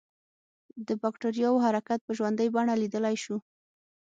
د بکټریاوو حرکت په ژوندۍ بڼه لیدلای شو.